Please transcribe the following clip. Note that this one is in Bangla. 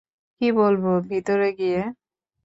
কী বলবো ভিতরে গিয়ে?